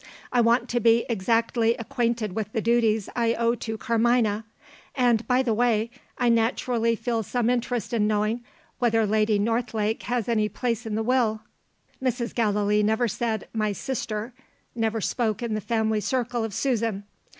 "I want to be exactly acquainted with the duties I owe to Carmina. And, by the way, I naturally feel some interest in knowing whether Lady Northlake has any place in the Will." Mrs. Gallilee never said "my sister," never spoke in the family circle of "Susan."